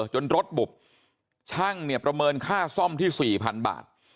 จนรถบุบช่างเนี่ยประเมินค่าซ่อมที่๔๐๐๐บาท